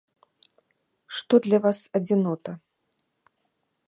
Што для вас адзінота?